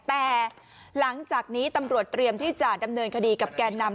แต่หลังจากนี้ตำรวจเตรียมที่จะดำเนินคดีกับแก่นำ